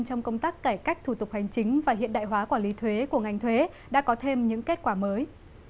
trong công tác cải cách thủ tục hành chính và hiện đại hóa quản lý thuế của ngành thuế đã có thêm những kết quả mới